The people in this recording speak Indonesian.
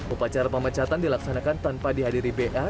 upacara pemecatan dilaksanakan tanpa dihadiri ba